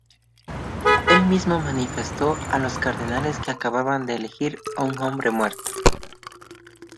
Él mismo manifestó a los cardenales que acababan de elegir "a un hombre muerto".